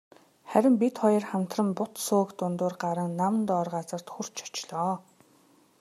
Харин бид хоёр хамтран бут сөөг дундуур гаран нам доор газарт хүрч очлоо.